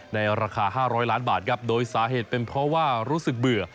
ในราคา๕๐๐ล้านบาทครับโดยสาเหตุเป็นเพราะว่ารู้สึกเบื่อ